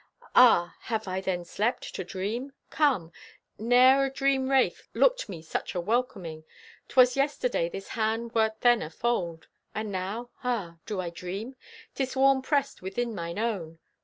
Ah, have I then slept, to dream? Come, Ne'er a dream wraith looked me such a welcoming! 'Twas yesterday this hand wert then afold, And now,—ah, do I dream? 'Tis warm pressed within mine own!